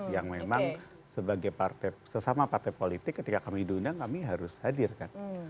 yang memang sebagai sesama partai politik ketika kami diundang kami harus hadir kan